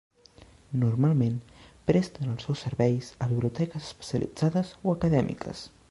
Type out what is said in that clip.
Normalment presten els seus serveis a biblioteques especialitzades o acadèmiques.